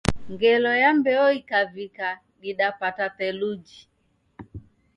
Ngelo ya mbeo ikavika, didapata theluji.